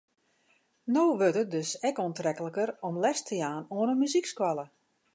No wurdt it dus ek oantrekliker om les te jaan oan in muzykskoalle.